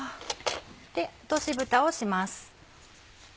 落としぶたをします。